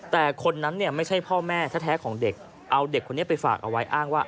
แต่คนนั้นเนี่ยไม่ใช่พ่อแม่แท้ของเด็กเอาเด็กคนนี้ไปฝากเอาไว้อ้างว่า